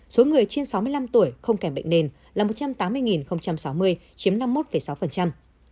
số người trên sáu mươi năm tuổi không kèm bệnh nền là một trăm tám mươi sáu mươi chiếm năm mươi một sáu